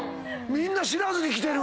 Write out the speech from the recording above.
みんな知らずにきてる。